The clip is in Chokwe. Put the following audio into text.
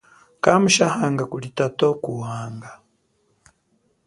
Kamushahanga kuli tatowo ku wanga.